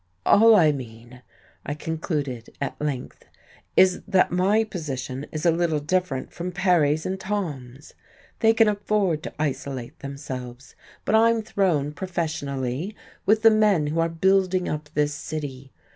"All I mean," I concluded at length, "is that my position is a little different from Perry's and Tom's. They can afford to isolate themselves, but I'm thrown professionally with the men who are building up this city.